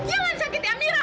jangan sakit ya mira